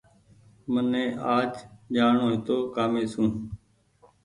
مني آج جآڻو هيتو ڪآمي سون